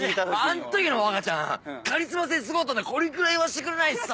あん時の若ちゃんカリスマ性すごかったんだからこれぐらい言わせてくれないとさ。